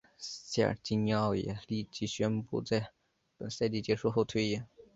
塞尔吉尼奥也立即宣布在本赛季结束后退役。